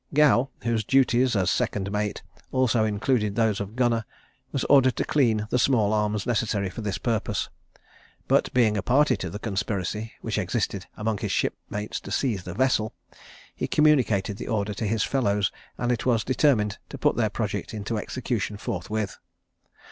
Gow, whose duties as second mate also included those of gunner, was ordered to clean the small arms necessary for this purpose; but being a party to a conspiracy, which existed among his shipmates to seize the vessel, he communicated the order to his fellows, and it was determined to put their project into execution forthwith.